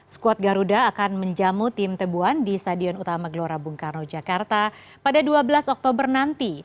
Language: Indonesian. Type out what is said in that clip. skuad garuda akan menjamu tim tebuan di stadion utama gelora bung karno jakarta pada dua belas oktober nanti